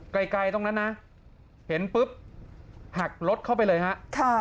ไกลตรงนั้นนะเห็นปุ๊บหักรถเข้าไปเลยฮะค่ะ